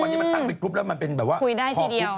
ทุกวันนี้มันตั้งเป็นคลุปแล้วมันเป็นแบบว่าพอคลุปได้